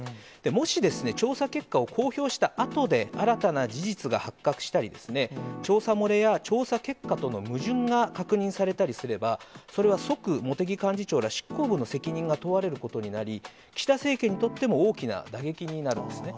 もし調査結果を公表したあとで、新たな事実が発覚したり、調査漏れや調査結果との矛盾が確認されたりすれば、それは即、茂木幹事長ら執行部の責任が問われることになり、岸田政権にとっても、大きな打撃になりますね。